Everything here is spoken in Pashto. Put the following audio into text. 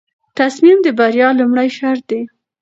تصمیم د بریا لومړی شرط دی.